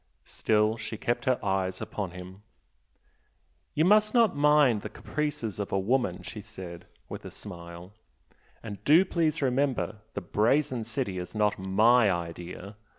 Still she kept her eyes upon him. "You must not mind the caprices of a woman!" she said, with a smile "And do please remember the 'Brazen City' is not MY idea!